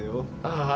ああ。